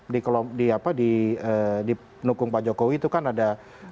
di penukung pak jokowi itu kan ada dua lima